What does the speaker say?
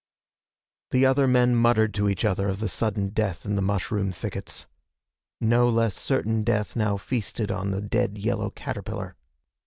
The other men muttered to each other of the sudden death in the mushroom thickets. No less certain death now feasted on the dead yellow caterpillar.